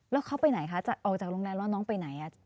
แล้วเขาไปไหนคะจะออกจากโรงแรมแล้วน้องไปไหน